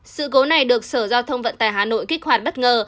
sự cố này được sở giao thông vận tải hà nội kích hoạt bất ngờ